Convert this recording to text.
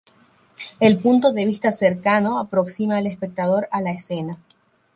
El punto de vista cercano aproxima al espectador a la escena.